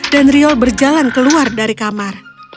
dan riol berjalan keluar dari kamar